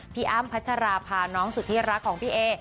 พี่อ้ำพัชราพาน้องสุธิรักของพี่เอ๋